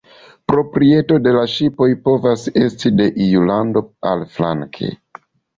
Proprieto de la ŝipoj povas esti de iu lando, aliflanke.